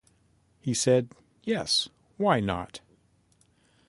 He said, Yes, why not?